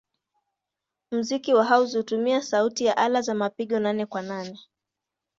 Muziki wa house hutumia sauti ya ala za mapigo nane-kwa-nane.